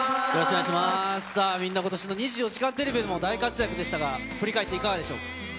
みんな今年の『２４時間テレビ』も大活躍でしたが、いかがでしたか？